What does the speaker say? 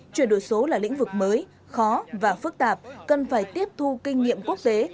chuyển đổi số là lĩnh vực mới khó và phức tạp cần phải tiếp thu kinh nghiệm quốc tế